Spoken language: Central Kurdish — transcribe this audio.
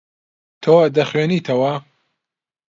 تۆ دەخوێنیتەوە.